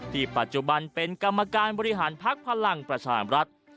ปัจจุบันเป็นกรรมการบริหารภักดิ์พลังประชามรัฐ